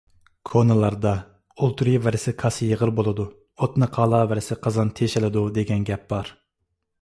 كونىلاردا: «ئولتۇرۇۋەرسە كاسا يېغىر بولىدۇ! ئوتنى قالاۋەرسە قازان تېشىلىدۇ» دېگەن گەپ بار.